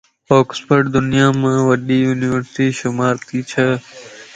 اوڪسفورڊ دنيا مَ وڏي يونيورسٽي شمار تي چھه